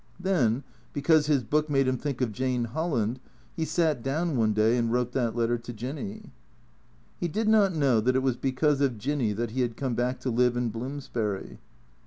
Then, because his book made him think of Jane Holland, he sat down one day and wrote that letter to Jinny. He did not know that it was because of Jinny that he had come back to live in Bloomsbury.